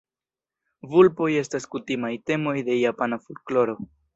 Vulpoj estas kutimaj temoj de japana folkloro.